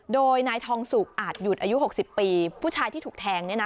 โดยนายทองสุกอาจหยุดอายุ๖๐ปีผู้ชายที่ถูกแทงเนี่ยนะ